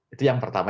itu yang pertama